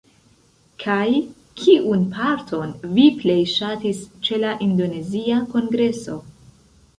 Kaj kiun parton vi plej ŝatis ĉe la indonezia kongreso?